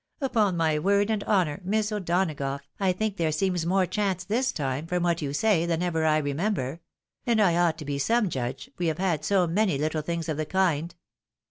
Upon my word and honour. Miss O'Donagough, I think there seems more chance this time, from what you say, than ever I remember ; and I ought to be some judge, we have had so many Mttle things of the kind."